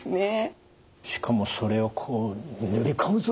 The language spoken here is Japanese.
しかもそれをこう塗り込むぞ！